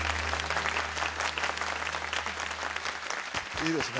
いいですね。